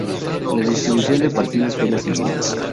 La distribución de partidos fue la siguiente.